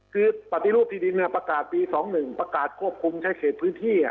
คือปฏิรูปที่ดินประกาศปี๒๑ประกาศควบคุมใช้เขตพื้นที่